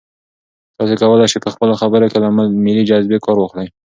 تاسي کولای شئ په خپلو خبرو کې له ملي جذبې کار واخلئ.